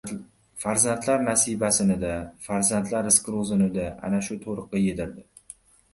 Farzandlar nasibasini-da, farzandlar rizqi ro‘zini-da ana shu To‘riqqa yedirdi...